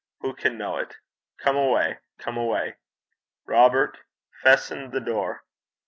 Who can know it? Come awa'. Come awa'. Robert, festen the door.'